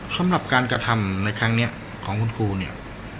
สำหรับการกระทำในครั้งนี้ของคุณครูเนี่ย